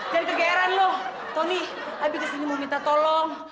jangan kegeran lo tony abi kesini mau minta tolong